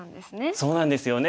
そうなんですよね